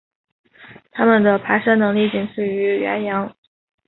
它们的爬山能力仅次于羱羊。